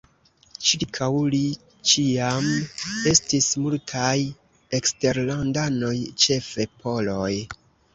Ĉirkaŭ li ĉiam estis multaj eksterlandanoj, ĉefe poloj.